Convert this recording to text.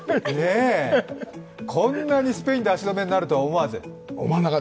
こんなにスペインで足止めになるとは思わず。